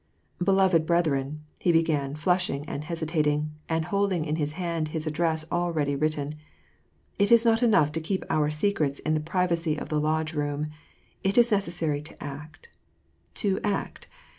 " Beloved brethren," he began, flushing and hesitating, and holding in his hand his address all ready written, " it is not enough to keep our secrets in the privacy of the Lodge room, it is necessary to act, to act.